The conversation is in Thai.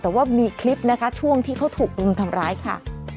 แต่ว่ามีคลิปนะคะช่วงที่เขาถูกรุมทำร้ายค่ะ